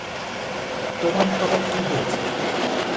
তোমার সবার কী হয়েছে?